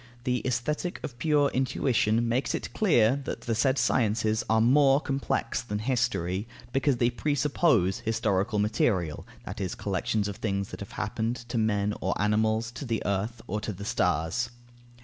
The Aesthetic of pure intuition makes it clear that the said sciences are more complex than History, because they presuppose historical material, that is, collections of things that have happened (to men or animals, to the earth or to the stars).